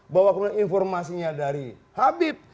bahwa informasinya dari habib